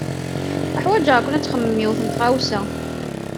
Uḥwaǧeɣ-ken ad txedmem yiwet n tɣawsa.